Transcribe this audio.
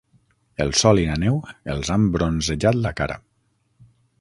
El sol i la neu els han bronzejat la cara.